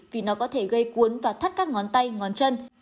vì nó có thể gây cuốn và thắt các ngón tay ngón chân